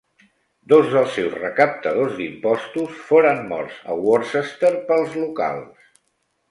Dos dels seus recaptadors d'impostos foren morts a Worcester pels locals.